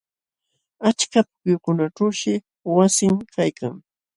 Achka pukyukunaćhuushi wasin kaykan.